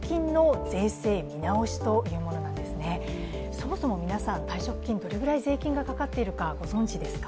そもそも皆さん、退職金どのくらい税金がかかっているかご存じですか？